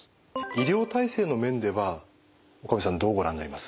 医療体制の面では岡部さんどうご覧になります？